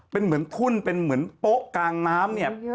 เป็นเหมือนทุ่นเป็นเหมือนโป๊ะกลางน้ำเนี่ย